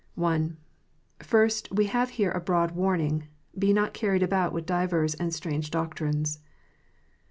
I. First, we have here a broad warning : "Be not carried about with divers and strange doctrines."